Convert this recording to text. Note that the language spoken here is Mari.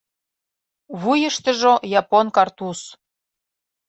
Вуйыштыжо — япон картуз.